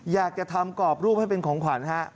อยากจะทำกรอบรูปให้เป็นของขวัญฮะ